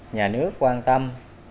nhà nước quan tâm